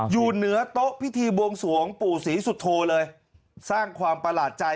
อยู่เหนือโต๊ะพิธีบวงสวงปู่ศรีสุโธเลยสร้างความประหลาดใจ